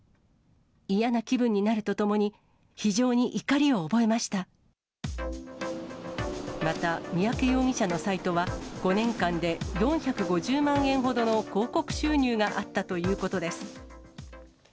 嫌な気分になるとともに、非常にまた、三宅容疑者のサイトは、５年間で４５０万円ほどの広告収入があったということです。